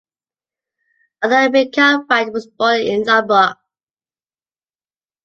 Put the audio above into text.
Author Micah Wright was born in Lubbock.